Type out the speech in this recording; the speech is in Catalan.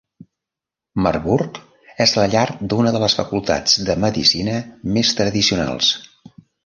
Marburg és la llar d'una de les facultats de medicina més tradicionals.